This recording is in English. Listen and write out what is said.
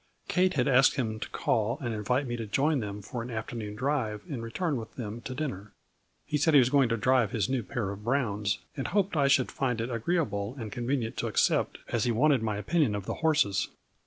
Kate had asked him to call and invite me to join them for an afternoon drive and return with them to dinner. He said he was goingto drive his new pair of browns, and hoped I should find it agree able and convenient to accept, as he wanted my opinion of the horses.